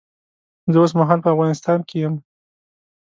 زه اوس مهال په افغانستان کې یم